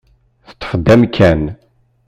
Teṭṭef-d amkan.